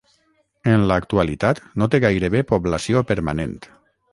En l'actualitat no té gairebé població permanent.